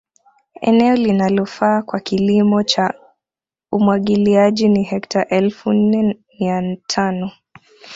Eneo linalofaa kwa kilimo cha Umwagiliaji ni hekta elfu nne mia tano